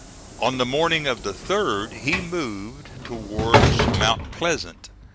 On the morning of the 3d he moved towards Mount Pleasant.